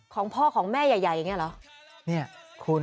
ของพ่อของแม่ใหญ่อย่างนี้เหรอ